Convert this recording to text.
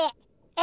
え